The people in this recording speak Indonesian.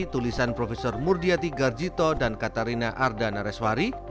tulisan profesor murdiyati garjito dan katarina arda nareswari